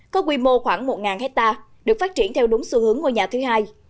có quy mô khoảng một hectare được phát triển theo đúng xu hướng ngôi nhà thứ hai